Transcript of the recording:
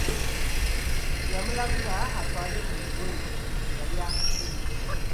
Yamulagira atwale buli lugoye lwe yali asiimye.